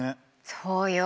そうよ。